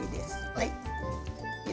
はい。